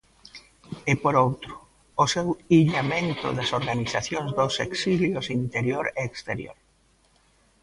E, por outro, o seu illamento das organizacións dos exilios interior e exterior.